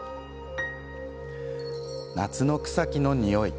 夏の草木のにおい。